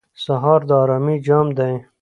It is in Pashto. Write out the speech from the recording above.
سهار د آرامۍ جام دی.